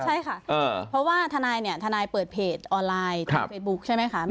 ใช่ค่ะเพราะว่าทนายเนี่ยทนายเปิดเพจออนไลน์ทางเฟซบุ๊คใช่ไหมคะ